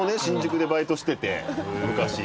新宿でバイトしてて昔。